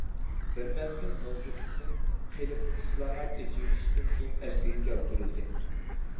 بىر مەزگىل مەۋجۇتلۇقتىن قېلىپ، ئىسلاھات، ئېچىۋېتىشتىن كېيىن ئەسلىگە كەلتۈرۈلدى.